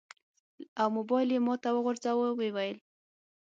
او موبایل یې ماته راوغورځاوه. و یې ویل: